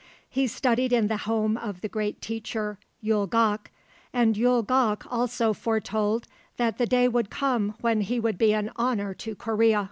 He studied in the home of the great teacher Yul gok, and Yul gok also foretold that the day would come when he would be an honour to Korea.